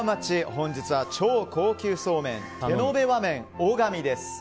本日は超高級そうめん手延和麺小神です。